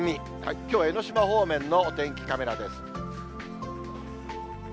きょうは江の島方面のお天気カメラです。